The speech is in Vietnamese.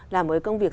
là một công việc